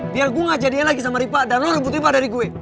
biar gue gak jadiin lagi sama riva dan lo rebut riva dari gue